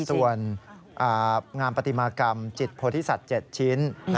ส่วนงามปฏิมากรรมจิตโพธิสัตว์๗ชิ้น